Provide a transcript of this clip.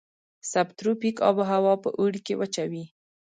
سب تروپیک آب هوا په اوړي کې وچه وي.